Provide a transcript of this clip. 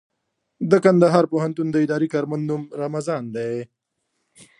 د کندهار پوهنتون د اداري کارمند نوم رمضان دئ.